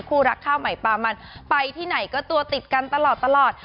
คู่รักข้าวใหม่ปามันไปที่ไหนก็ตัวติดกันตลอด